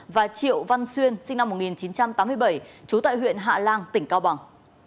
và triệu văn xuyên sinh năm một nghìn chín trăm tám mươi bảy trú tại huyện hạ lan tỉnh cao bằng